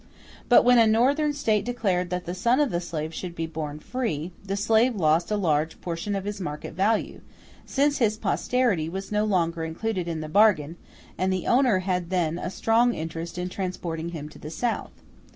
But when a Northern State declared that the son of the slave should be born free, the slave lost a large portion of his market value, since his posterity was no longer included in the bargain, and the owner had then a strong interest in transporting him to the South.